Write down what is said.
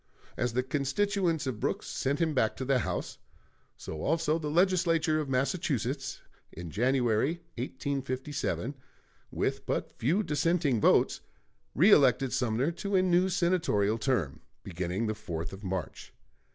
As the constituents of Brooks sent him back to the House, so also the Legislature of Massachusetts, in January, 1857, with but few dissenting votes, reëlected Sumner to a new senatorial term, beginning the 4th of March.